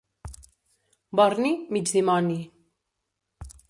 Borni, mig dimoni.